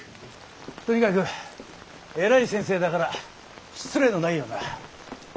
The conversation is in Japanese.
とにかく偉い先生だから失礼のないようにな。